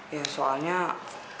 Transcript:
ya soalnya alda jadi bingung